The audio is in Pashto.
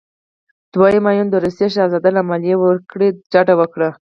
دویم ایوان د روسیې شهزاده له مالیې ورکړې ډډه وکړه.